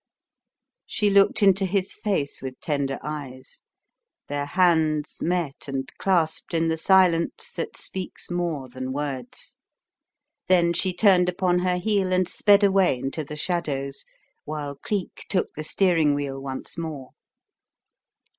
She looked into his face with tender eyes. Their hands met and clasped in the silence that speaks more than words. Then she turned upon her heel and sped away into the shadows, while Cleek took the steering wheel once more.